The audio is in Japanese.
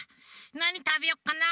なにたべよっかな。